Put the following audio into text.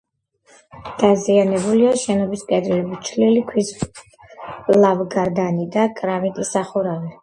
დაზიანებულია შენობის კედლები, თლილი ქვის ლავგარდანი და კრამიტის სახურავი.